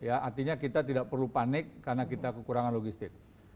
artinya kita tidak perlu panik karena kita kekurangan logistik